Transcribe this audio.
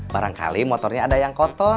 barangkali motornya ada yang kotor